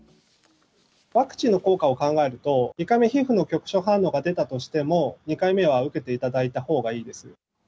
ワクチンの効果を考えると、１回目、皮膚の局所反応が出たとしても、２回目は受けていただいたほうがいいです。